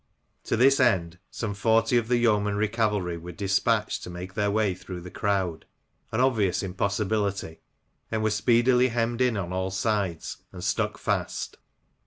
To this end some forty of the yeomanry cavalry were despatched to make their way through the crowd — an obvious impossibility — and were speedily hemmed in on all hands and stuck fast.